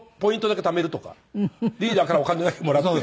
リーダーからお金だけもらって。